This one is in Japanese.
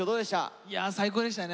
いや最高でしたね